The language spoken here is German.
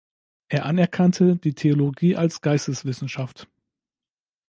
Er anerkannte die Theologie als Geisteswissenschaft.